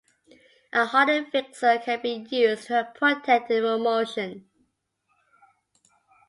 A hardening fixer can be used to help protect the emulsion.